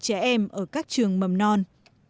trẻ em ở các trường mầm non